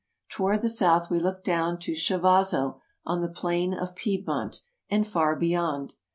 Toward the south we looked down to Chivasso on the plain of Piedmont, and far beyond.